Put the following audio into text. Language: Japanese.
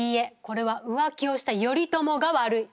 これは浮気をした頼朝が悪い！